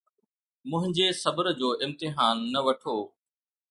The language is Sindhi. منهنجي صبر جو امتحان نه وٺو